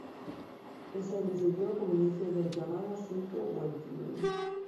Ese año sirvió como inicio del llamado "Asunto Waldheim".